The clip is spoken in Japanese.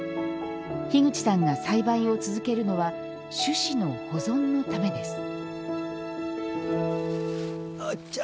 樋口さんが栽培を続けるのは種子の保存のためです。